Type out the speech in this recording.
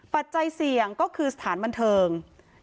ปัจจัยเสี่ยงก็คือสถานบันเทิง